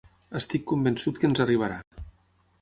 Estic convençut que ens arribarà.